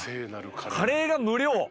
カレーが無料？